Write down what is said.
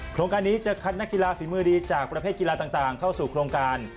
โครงการนี้จะคัดนักกีฬาฝีมือดีจากประเภทกีฬาต่างเข้าสู่โครงการ